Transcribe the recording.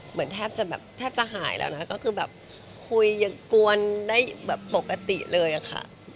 เหมือนแทบจะหายแล้วนะครับก็คือแบบคุยกวนได้ปกติเลยอะค่ะ